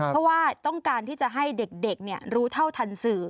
เพราะว่าต้องการที่จะให้เด็กรู้เท่าทันสื่อ